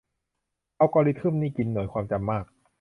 อัลกอริทึมนี้กินหน่วยความจำมาก